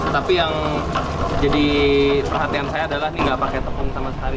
tapi yang jadi perhatian saya adalah ini nggak pakai tepung sama sekali